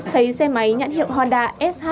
thấy xe máy nhãn hiệu honda sh